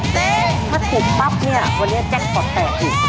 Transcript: ถ้าขดป้ำนี่วันนี้แจ้งปลอดภัยอีก